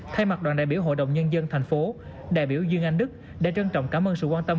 thay mặt đoàn đại biểu hội đồng nhân dân thành phố đại biểu dương anh đức đã trân trọng cảm ơn sự quan tâm